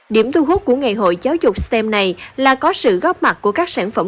điểm thu hút của ngày hội giáo dục stem này là có sự góp mặt của các sản phẩm